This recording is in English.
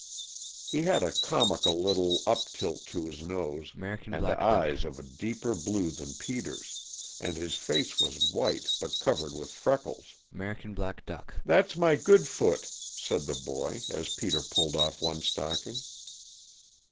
He had a comical little up tilt to his nose, and eyes of a deeper blue than Peter's, and his face was white but covered with freckles. "That's my good foot," said the boy, as Peter pulled off one stocking.